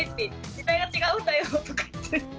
時代が違うんだよとか言って。